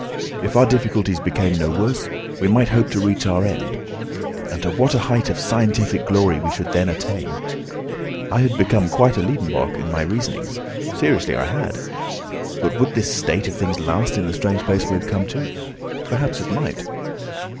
If our difficulties became no worse, we might hope to reach our end. And to what a height of scientific glory we should then attain! I had become quite a Liedenbrock in my reasonings; seriously I had. But would this state of things last in the strange place we had come to? Perhaps it might.